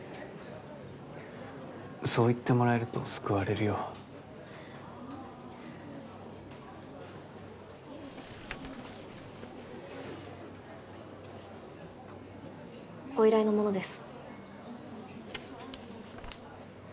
そう言ってもらえると救われるよご依頼のものです